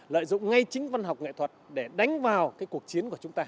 lợi dụng ngay chính văn học nghệ thuật để đánh vào cuộc chiến của chúng ta